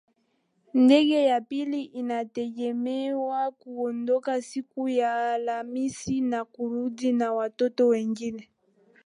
ndege ya pili inategemewa kuondoka siku ya alhamisi na kurundi na watoto wengine